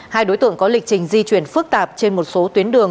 hai đối tượng có lịch trình di chuyển phức tạp trên một số tuyến đường